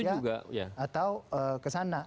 itu juga ya atau kesana